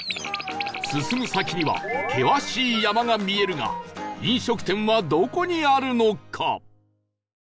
進む先には険しい山が見えるが飲食店はどこにあるのか？